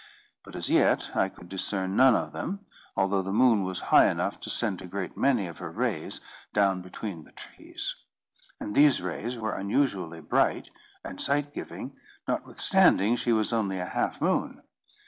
But as yet I could discern none of them, although the moon was high enough to send a great many of her rays down between the trees, and these rays were unusually bright, and sight giving, notwithstanding she was only a half moon.